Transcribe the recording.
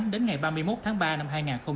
đến ngày ba mươi một tháng ba năm hai nghìn hai mươi